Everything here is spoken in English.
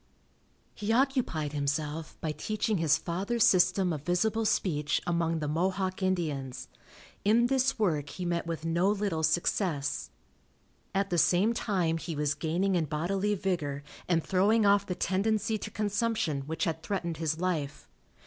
He occupied himself by teaching his father's system of visible speech among the Mohawk Indians. In this work he met with no little success. At the same time he was gaining in bodily vigor and throwing off the tendency to consumption which had threatened his life.